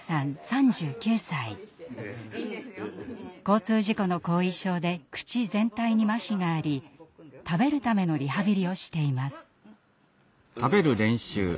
交通事故の後遺症で口全体にまひがあり食べるためのリハビリをしています。